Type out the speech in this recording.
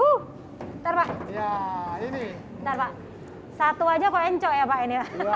bentar pak satu aja kok enco ya pak ini